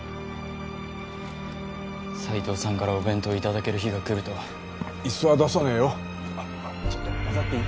斎藤さんからお弁当を頂ける日がくるとはいすは出さねえよあっちょっと交ざっていい？